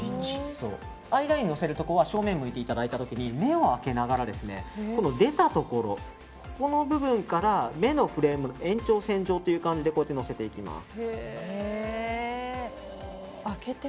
アイラインをのせるところは正面を向いていただいた時に目を開けながら出たところの部分から目のフレーム延長線上という感じでのせていきます。